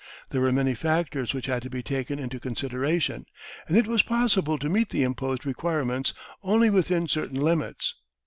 There were many factors which had to be taken into consideration, and it was possible to meet the imposed requirements only within certain limits.